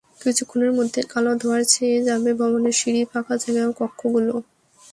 কিছুক্ষণের মধ্যেই কালো ধোঁয়ায় ছেয়ে যায় ভবনের সিঁড়ি, ফাঁকা জায়গা, কক্ষগুলো।